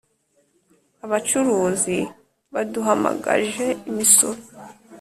abacuruzi baduhamagaje imisoro